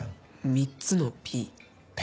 ３つのＰ？